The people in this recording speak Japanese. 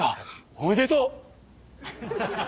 おめでとう！